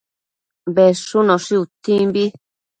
Bedshunoshi utsimbi